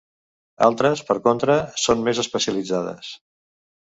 Altres, per contra, són més especialitzades.